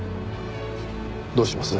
どうします？